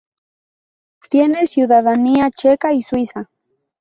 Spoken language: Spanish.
Tiene ciudadanía checa y suiza.